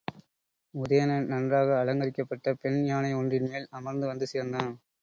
உதயணன் நன்றாக அலங்கரிக்கப்பட்ட பெண் யானை ஒன்றின்மேல் அமர்ந்து வந்து சேர்ந்தான்.